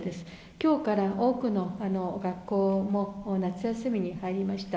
きょうから多くの学校も夏休みに入りました。